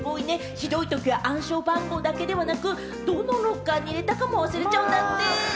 ひどいときは暗証番号だけではなく、どのロッカーに入れたかも忘れちゃうんだって。